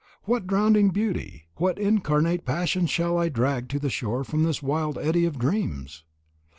What drowning beauty, what incarnate passion shall I drag to the shore from this wild eddy of dreams?